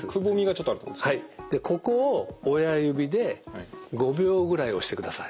でここを親指で５秒ぐらい押してください。